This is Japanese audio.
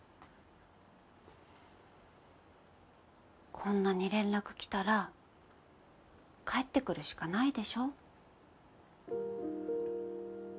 こんなに連絡来たら帰ってくるしかないでしょ。